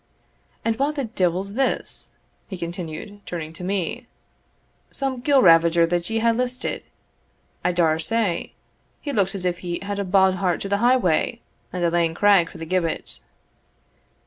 And wha the deevil's this?" he continued, turning to me "Some gillravager that ye hae listed, I daur say. He looks as if he had a bauld heart to the highway, and a lang craig for the gibbet."